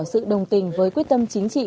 sự đồng tình với quyết tâm chính trị